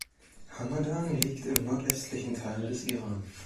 Hamadan liegt im nordwestlichen Teil des Iran.